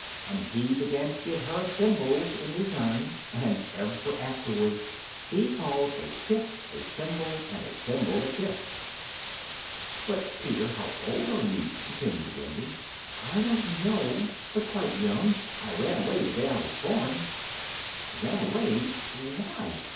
and he began to give her thimbles in return, and ever afterwards he called a kiss a thimble, and a thimble a kiss. "But Peter, how old are you?" continued Wendy. "I don't know, but quite young. I ran away the day I was born." "Ran away why?"